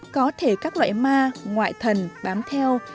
có thể các loại ma ngoại thần bám theo